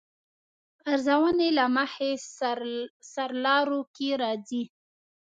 ارزونې له مخې سرلارو کې راځي.